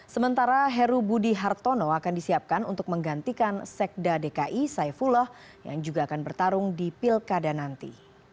sementara heru budi hartono akan disiapkan untuk menggantikan sekda dki saifullah yang juga akan bertarung di pilkada nanti